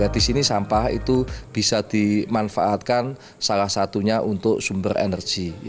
di sini sampah itu bisa dimanfaatkan salah satunya untuk sumber energi